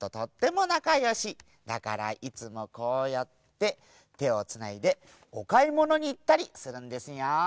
だからいつもこうやっててをつないでおかいものにいったりするんですよ。